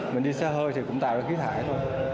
mình đi xa hơi thì cũng tạo ra khí thải thôi